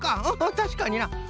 たしかにな。